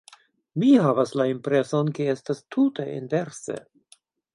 Mi havas la impreson, ke estas tute inverse.